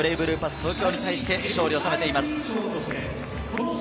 東京に対して勝利を収めています。